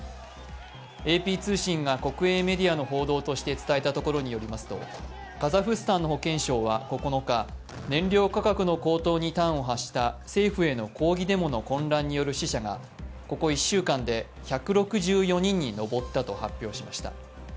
ＡＰ通信が国営メディアの報道として伝えたところによりますとカザフスタンの保健省は９日、燃料価格の高騰に端を発した政府への抗議デモの混乱による死者がここ１週間で１６４人に上ったと発表しました。